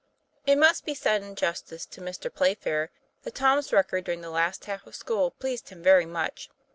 IT must be said in justice to Mr. Playfair that Tom's record during the last half of school pleased him very much.